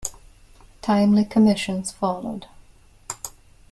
Timely commissions followed.